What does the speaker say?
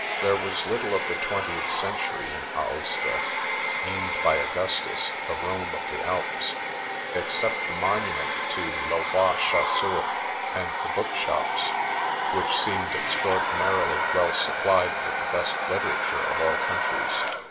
There was little of the Twentieth Century in Aosta (named by Augustus the " Rome of the Alps"), except the monument to "Le Roi Chas seur," and the bookshops, which seemed extraor dinarily well supplied with the best literature of all countries.